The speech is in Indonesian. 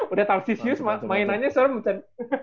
udah tampsisius mainannya sekarang bukan